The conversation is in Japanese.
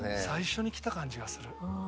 最初にきた感じがする。